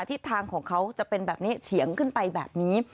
ทิศทางของเขาจะเป็นแบบนี้เฉียงขึ้นไปแบบนี้